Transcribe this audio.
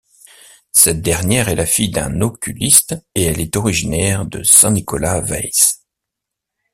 Cette dernière est la fille d’un oculiste et elle est originaire de Saint Nicolas-Waes.